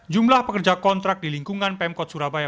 jumlah pekerja kontrak di lingkungan pemkot surabaya